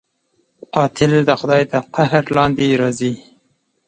قاتل د خدای د قهر لاندې راځي